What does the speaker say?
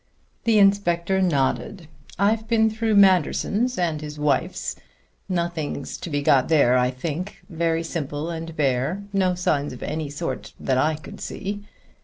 The inspector nodded. "I've been through Manderson's and his wife's. Nothing to be got there, I think. Very simple and bare, no signs of any sort that I could see.